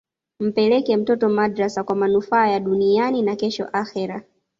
mpeleke mtoto madrasa kwa manufaa ya duniani na kesho akhera